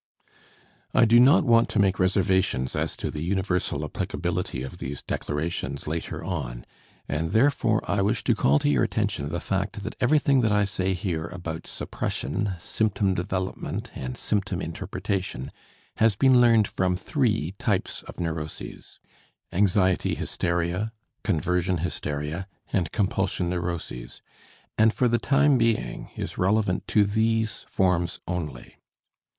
I do not want to make reservations as to the universal applicability of these declarations later on, and therefore I wish to call to your attention the fact that everything that I say here about suppression, symptom development and symptom interpretation has been learned from three types of neuroses anxiety hysteria, conversion hysteria, and compulsion neuroses and for the time being is relevant to these forms only.